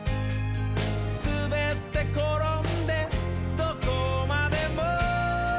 「すべってころんでどこまでも」